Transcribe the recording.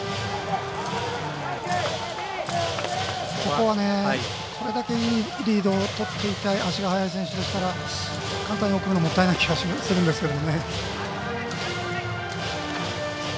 ここは、これだけリードを取っていて足が速い選手でしたら簡単に送るのはもったいない気がするんですけど。